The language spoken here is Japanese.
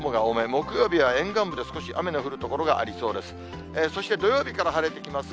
木曜日は沿岸部で少し雨の降る所がありそうです。